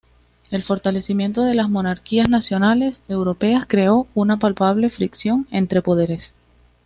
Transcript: El fortalecimiento de las monarquías nacionales europeas creó una palpable fricción entre poderes.